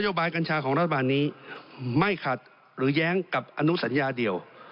บายกัญชาของรัฐบาลนี้ไม่ขัดหรือแย้งกับอนุสัญญาเดียว